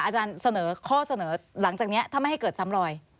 อาจารย์เสนอข้อเสนอหลังจากนี้ถ้าไม่ให้เกิดซ้ำรอย